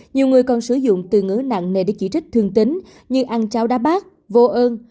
nhiều người còn sử dụng từ ngứa nặng nề để chỉ trích thương tính như ăn cháo đá bát vô ơn